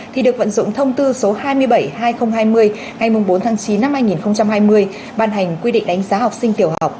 thì được vận dụng thông tư số hai mươi bảy hai nghìn hai mươi ngày bốn tháng chín năm hai nghìn hai mươi ban hành quy định đánh giá học sinh tiểu học